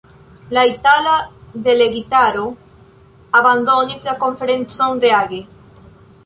La itala delegitaro abandonis la konferencon reage.